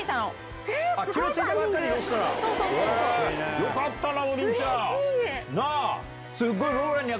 よかったな、王林ちゃん。